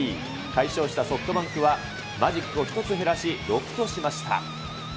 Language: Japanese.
快勝したソフトバンクはマジックを１つ減らし、６としました。